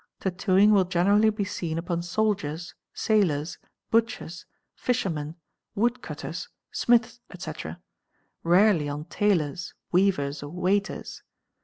'Tattooing will generally be seen upon soldiers, sailors, butchers, fishermen, wood —| cutters, smiths, etc.; rarely on tailors, weavers, or waiters.